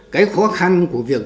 cái khó khăn của việc